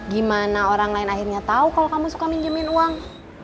gimana orang lain akhirnya tahu kalau kamu suka minjemin uang